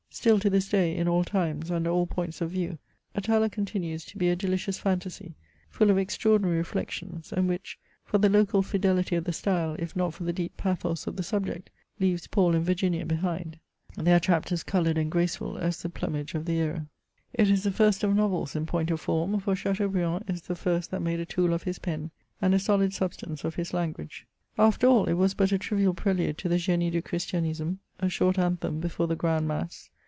Still to this day, in all times, under all points of view, Atala continues to he a deli cious fantasy, full of extraordinary reflexions, and which, for the local fidelity of the style, if not for the deep pathos of the subject, leaves Paul and Virginia behind. There are chapters coloured and graceful as the plumage of the ara. It is the first of novels in point of form ; for Chateaubriand is the first that made a tool of his pen, and a solid substance of his language. After all, it was but a trivial prelude to the GMe du Chris tianisme ; a short anthem before the grand mass.